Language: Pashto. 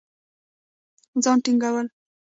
ځان ټينګول